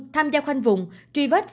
tham gia khoanh vùng truy vết phòng chống